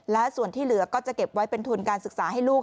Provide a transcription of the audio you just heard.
และส่วนที่เหลือก็จะเก็บไว้เป็นทุนการศึกษาให้ลูก